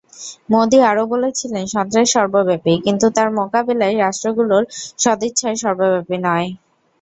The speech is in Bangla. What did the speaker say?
মোদি আরও বলেছিলেন, সন্ত্রাস সর্বব্যাপী, কিন্তু তার মোকাবিলায় রাষ্ট্রগুলোর সদিচ্ছা সর্বব্যাপী নয়।